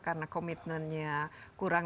karena komitmennya kurang